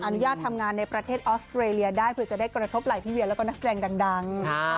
อนุญาตทำงานในประเทศออสเตรเลียได้เผื่อจะได้กระทบไหล่พี่เวียแล้วก็นักแสดงดัง